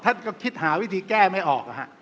ท่านก็คิดหาวิธีแก้ไม่ออก